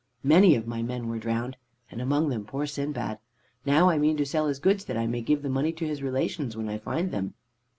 Many of my men were drowned, and among them poor Sindbad. Now I mean to sell his goods that I may give the money to his relations when I find them.'